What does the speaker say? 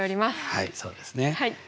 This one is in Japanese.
はいそうですね。